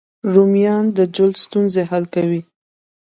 رومیان د جلد ستونزې حل کوي